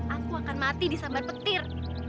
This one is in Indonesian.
aku akan mati di sambal petir